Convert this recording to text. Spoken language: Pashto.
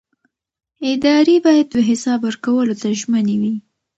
ادارې باید حساب ورکولو ته ژمنې وي